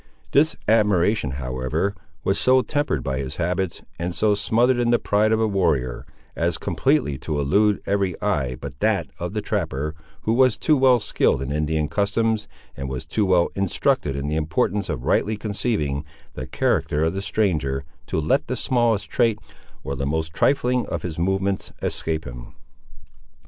This admiration, however, was so tempered by his habits, and so smothered in the pride of a warrior, as completely to elude every eye but that of the trapper, who was too well skilled in Indian customs, and was too well instructed in the importance of rightly conceiving, the character of the stranger, to let the smallest trait, or the most trifling of his movements, escape him.